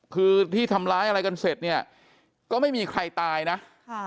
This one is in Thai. คือที่ทำร้ายอะไรกันเสร็จเนี่ยก็ไม่มีใครตายนะค่ะ